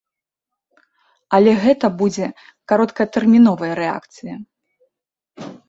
Але гэта будзе кароткатэрміновая рэакцыя.